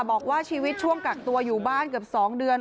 บอกว่าชีวิตช่วงกักตัวอยู่บ้านเกือบ๒เดือน